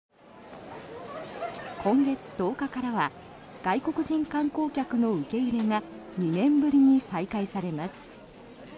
今月１０日からは外国人観光客の受け入れが２年ぶりに再開されます。